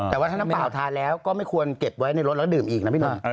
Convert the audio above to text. แต่ว่าถ้าน้ำเปล่าทานแล้วก็ไม่ควรเก็บไว้ในรถแล้วดื่มอีกนะพี่หนุ่ม